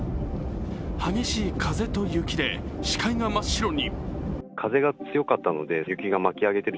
激しい風と雪で視界が真っ白に。